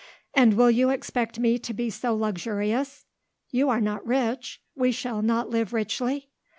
"And will you expect me to be so luxurious? You are not rich? We shall not live richly?"